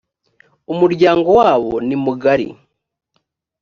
umuryango wabo nimugari.